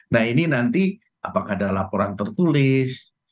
nah ini nanti apakah ada laporan tertulis